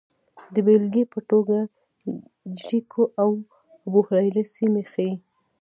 د بېلګې په توګه جریکو او ابوهریره سیمې ښيي